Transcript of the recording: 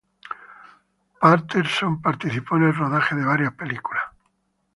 Patterson participó en el rodaje de varias películas.